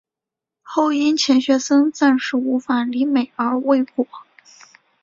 后因钱学森暂时无法离美而未果。